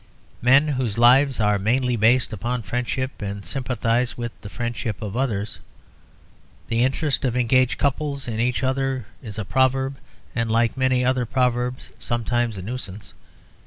Men whose lives are mainly based upon friendship sympathise with the friendships of others. The interest of engaged couples in each other is a proverb, and like many other proverbs sometimes a nuisance.